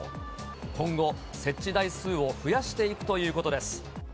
今後、設置台数を増やしていくということです。